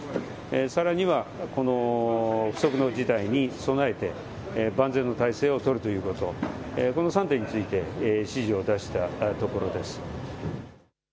さらにはこの不足の事態に備えて万全の態勢を取るということ、この３点について指示を出したところです。